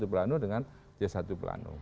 pelanu dengan j satu pelanu